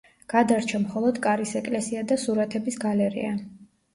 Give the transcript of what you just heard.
გადარჩა მხოლოდ კარის ეკლესია და სურათების გალერეა.